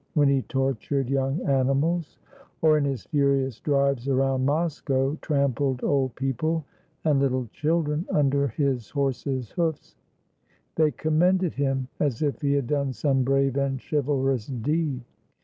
When he tortured young animals, or, in his furious drives around Moscow, trampled old people and Httle children under his horses' hoofs, they commended him as if he had done some brave and chivalrous deed.